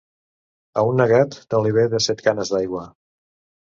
A un negat no li ve de set canes d'aigua.